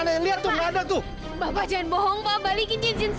berharga buat saya yang blue mohon apa sih cincin apaan itu di